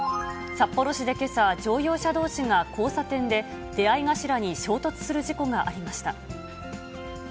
札幌市でけさ、乗用車どうしが交差点で出会い頭に衝突する事故がありました。